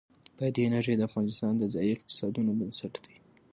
بادي انرژي د افغانستان د ځایي اقتصادونو بنسټ دی.